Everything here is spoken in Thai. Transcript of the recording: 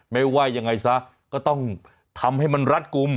ไม่ว่ายังไงซะก็ต้องทำให้มันรัดกลุ่ม